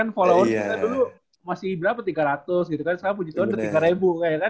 follow out kita dulu masih berapa tiga ratus gitu kan sekarang puji tuhan udah tiga ribu kayak kan